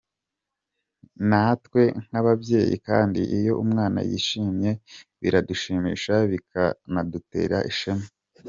Natwe nk’ababyeyi kandi iyo umwana yishimye biradushimisha bikanadutera ishema”.